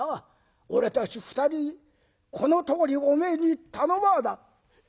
俺たち２人このとおりおめえに頼まあだ」。